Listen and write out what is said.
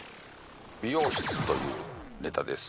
「美容室」というネタです